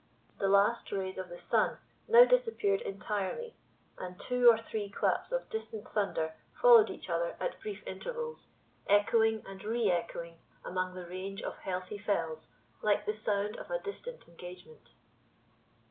The last rays of the sun now disappeared entirely, and two or three claps of distant thunder followed each other at brief intervals, echoing and re echoing among the range of heathy fells like the sound of a distant engagement.